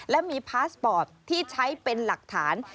และมีพาสปอร์ตที่ใช้เป็นหลักฐาน